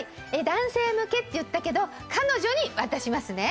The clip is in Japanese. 男性向けって言ったけど彼女に渡しますね。